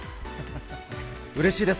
うれしいです。